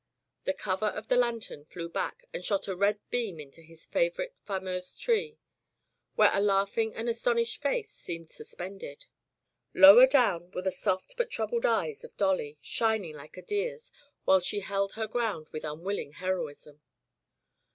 The cover of the lantern flew back and shot a red beam into his fa vorite Fameuse tree, where a laughing and astonished face seemed suspended. Lower Digitized by LjOOQ IC The Convalescence of Gerald down were the soft but troubled eyes of Dolly, shining like a deer's while she held her ground with unwilling heroism.